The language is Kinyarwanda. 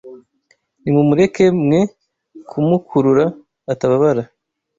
Nimumureke mwe kumukurura atababara